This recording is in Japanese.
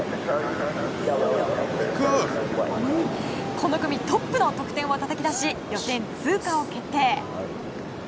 この組トップの得点をたたき出し予選通過を決定。